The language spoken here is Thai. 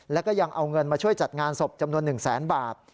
แล้วก็ยังเอาเงินมาช่วยจัดงานศพจำนวน๑แสนบาท